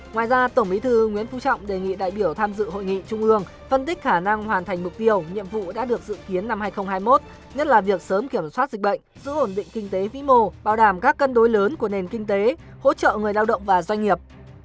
ngoài ra tổng bí thư nguyễn phú trọng đề nghị đại biểu tham dự hội nghị trung ương phân tích khả năng hoàn thành mục tiêu nhiệm vụ đã được dự kiến năm hai nghìn hai mươi một nhất là việc sớm kiểm soát dịch bệnh giữ ổn định kinh tế vĩ mô bảo đảm các cân đối lớn của nền kinh tế hỗ trợ người lao động và doanh nghiệp